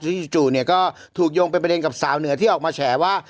จู่เนี่ยก็ถูกโยงเป็นประเด็นกับสาวเหนือที่ออกมาแฉว่า